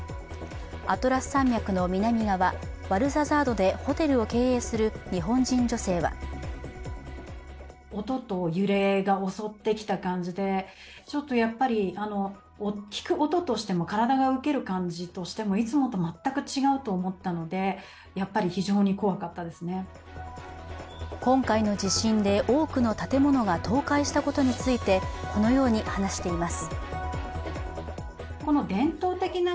アトラス山脈の南側、ワルザザートでホテルを経営する日本人女性は今回の地震で多くの建物が倒壊したことについて、このように話しています。